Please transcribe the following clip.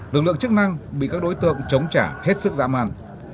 lực lượng chức năng bị các đối tượng chống trả hết sức dã man